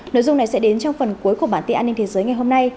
nội dung này sẽ đến trong phần cuối của bản tin an ninh thế giới ngày hôm nay